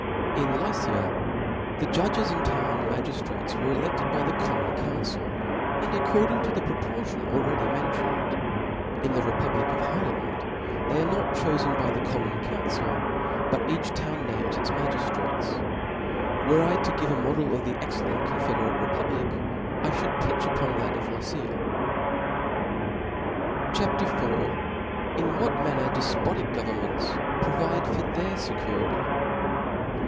^ ciuji^ In Lycia (') the judges and town magiftrates V) ibid, were eledled by the common council, and according tp the. p.ro|Jbrtion already mentioned. In the re public of Holland they are not chofen by the com mon council, but each town names its magiftrates* Were I to give a model of an excellent confederate republic, I fhould pitch upon that of Lycia. CHAP. IV. In what manner defpotic Governments prtroide for their fecurity.